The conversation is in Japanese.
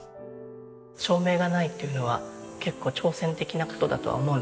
照明がないっていうのは結構挑戦的な事だとは思うんですね。